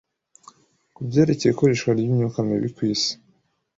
ku byerekeye ikoreshwa ry’imyuka mibi ku isi